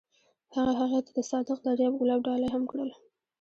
هغه هغې ته د صادق دریاب ګلان ډالۍ هم کړل.